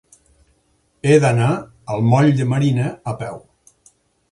He d'anar al moll de Marina a peu.